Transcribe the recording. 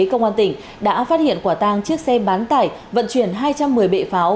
công an tỉnh đã phát hiện quả tang chiếc xe bán tải vận chuyển hai trăm một mươi bệ pháo